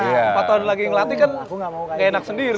empat tahun lagi ngelatih kan gak enak sendiri